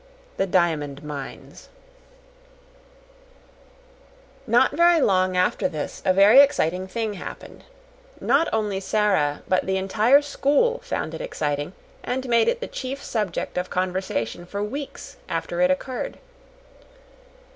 6 The Diamond Mines Not very long after this a very exciting thing happened. Not only Sara, but the entire school, found it exciting, and made it the chief subject of conversation for weeks after it occurred.